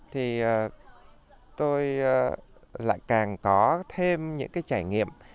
thì tôi lại càng có thêm những trải nghiệm